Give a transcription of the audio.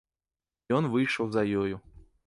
Ён выйшаў за ёю.